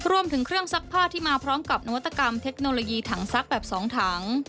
รวมถึงเครื่องซักผ้าที่มาพร้อมกับนวัตกรรมเทคโนโลยีถังซักแบบ๒ถัง